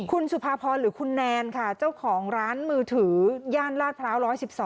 คุณสุภาพรหรือคุณแนนค่ะเจ้าของร้านมือถือย่านลาดพร้าว๑๑๒